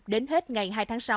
đến hết ngày hai tháng sáu